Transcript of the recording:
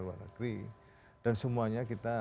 luar negeri dan semuanya kita